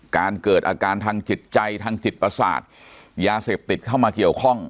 เกิดอาการทางจิตใจทางจิตประสาทยาเสพติดเข้ามาเกี่ยวข้อง